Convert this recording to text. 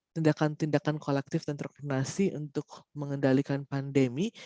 tindakan tindakan kolektif dan terkoordinasi untuk mengendalikan pandemi